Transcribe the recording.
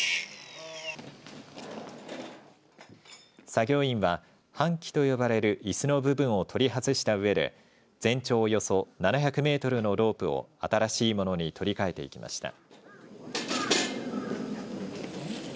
作業員は搬器と呼ばれるいすの部分を取り外したうえで全長およそ７００メートルのロープを新しいものに取り替えていきました。